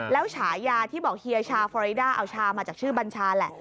แล้วฉายาที่บอกเฮียชาฟอริดาเอาชามาจากชื่อบัญชาแหละ